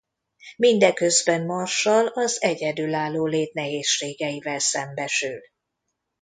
Mindeközben Marshall az egyedülálló lét nehézségeivel szembesül.